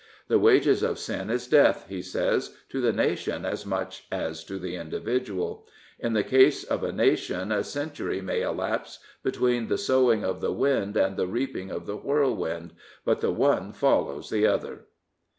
" The wages of sin is death," he says, " to the nation as much as to the individual. In the case of a nation a century may elapse between the sowing of the wind and the reaping of the whirlwind, but the one follows the other."